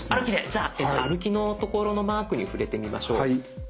じゃあ歩きの所のマークに触れてみましょう。